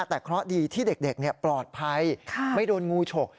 แต่เคราะห์ดีที่เด็กปลอดภัยไม่โดนงูฉก